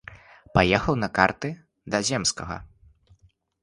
Паехаў на карты да земскага.